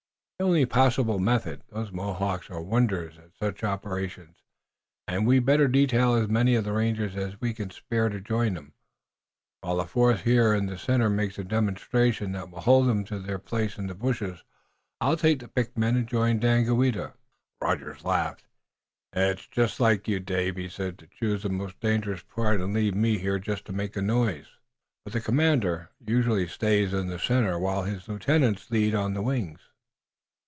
"The only possible method. Those Mohawks are wonders at such operations, and we'd better detail as many of the rangers as we can spare to join 'em, while a force here in the center makes a demonstration that will hold 'em to their place in the bushes. I'll take the picked men and join Daganoweda." Rogers laughed. "It's like you, Dave," he said, "to choose the most dangerous part, and leave me here just to make a noise." "But the commander usually stays in the center, while his lieutenants lead on the wings."